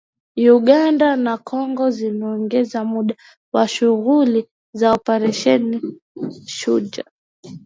Uganda na Kongo zimeongeza muda wa shughuli za Operesheni Shujaa